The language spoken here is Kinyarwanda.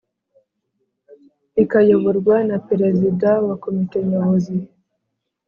ikayoborwa na Perezida wa Komite Nyobozi